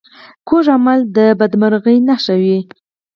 کوږ عمل د بدمرغۍ نښه وي